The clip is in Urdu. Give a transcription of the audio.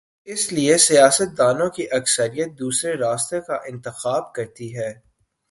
اس لیے سیاست دانوں کی اکثریت دوسرے راستے کا انتخاب کر تی ہے۔